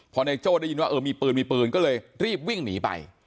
พอนายโจ้ได้ยินว่าเออมีปืนมีปืนก็เลยรีบวิ่งหนีไป